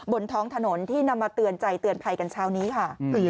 บนท้องถนนที่นำมาเตือนใจเตือนภัยกันเช้านี้ค่ะ